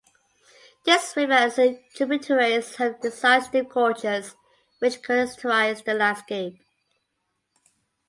This river and its tributaries have incised deep gorges which characterise the landscape.